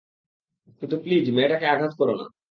কিন্তু প্লিজ মেয়েটাকে আঘাত করো না।